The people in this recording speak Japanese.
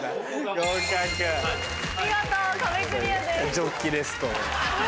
ジョッキレスト。